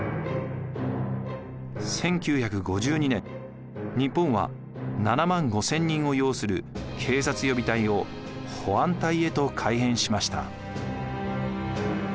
１９５２年日本は７万５，０００人を擁する警察予備隊を保安隊へと改編しました。